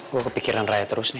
gue kepikiran raya terus deh